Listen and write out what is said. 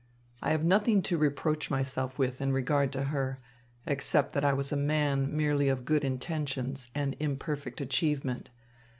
I have nothing to reproach myself with in regard to her, except that I was a man merely of good intentions and imperfect achievement.